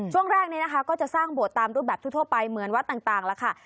ช่วงแรกนี้นะคะก็จะสร้างโบสถตามรูปแบบทั่วไปเหมือนวัดต่างแล้วค่ะ